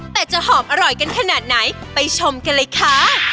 แต่จะหอมอร่อยกันขนาดไหนไปชมกันเลยค่ะ